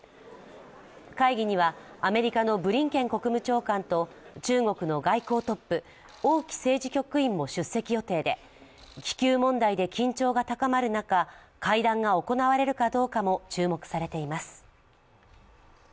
会議にはアメリカのブリンケン国務長官と中国の外交トップ、王毅政治局員も出席予定で気球問題で緊張が高まる中会談が行われるかどうかも注目されています。